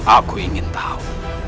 aku ingin tahu